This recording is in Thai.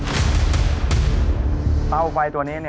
หาได้ใช้หมดก็คือเตาไฟตัวนี้ครับ